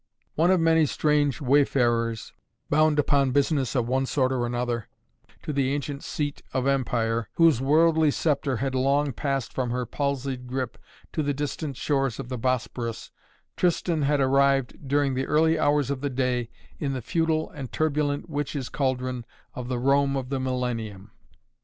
One of many strange wayfarers bound upon business of one sort or another to the ancient seat of empire, whose worldly sceptre had long passed from her palsied grip to the distant shores of the Bosporus, Tristan had arrived during the early hours of the day in the feudal and turbulent witches' cauldron of the Rome of the Millennium.